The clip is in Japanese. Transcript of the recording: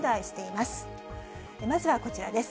まずはこちらです。